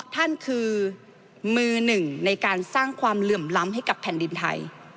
ท่านคือมือหนึ่งในการสร้างความเหลื่อมล้ำให้กับแผ่นดินไทย